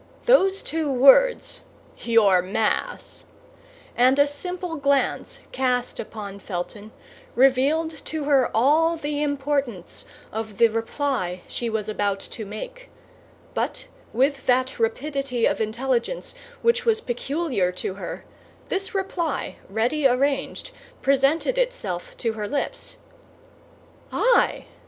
Those two words, your Mass, and a simple glance cast upon Felton, revealed to her all the importance of the reply she was about to make; but with that rapidity of intelligence which was peculiar to her, this reply, ready arranged, presented itself to her lips: "I?"